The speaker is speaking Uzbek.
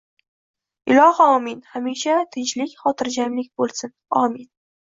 Iloho omin hamisha tinchlik xotirjamlik bo‘lsin omin..